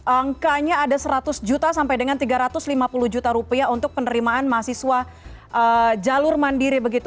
angkanya ada seratus juta sampai dengan tiga ratus lima puluh juta rupiah untuk penerimaan mahasiswa jalur mandiri begitu